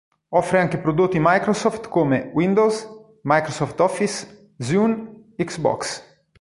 Offre anche prodotti "Microsoft" come: Windows, Microsoft Office, Zune, Xbox.